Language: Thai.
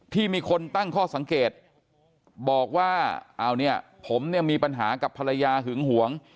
ที่มีคนตั้งข้อสังเกตบอกว่าผมมีปัญหากับภรรยาหึงหวง